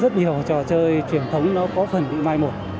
rất nhiều trò chơi truyền thống nó có phần bị mai một